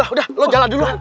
udah lu jalan duluan